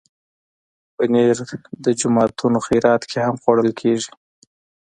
پنېر د جوماتونو خیرات کې هم خوړل کېږي.